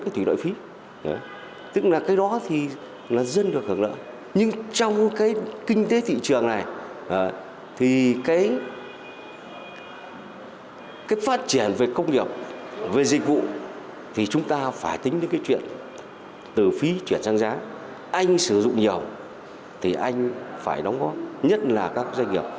thủy lợi phí chuyển sang giá anh sử dụng nhiều thì anh phải đóng góp nhất là các doanh nghiệp